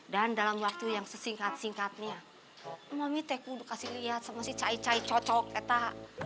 dan dalam waktu yang sesingkat singkatnya mami teku kasih liat sama si cai cai cocok kata